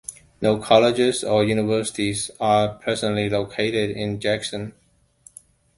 No colleges or universities are presently located in Jackson.